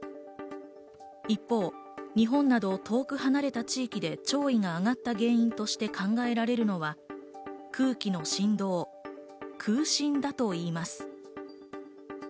一方、日本など遠く離れた地域で潮位が上がった原因として考えられるのは空気の振動、空振だといいます。